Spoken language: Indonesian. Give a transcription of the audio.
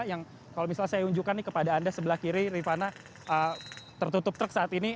yang kalau misalnya saya unjukkan nih kepada anda sebelah kiri rifana tertutup truk saat ini